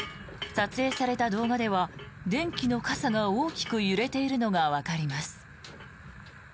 撮影された動画では電気の傘が大きく揺れているのがわかります。